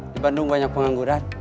di bandung banyak pengangguran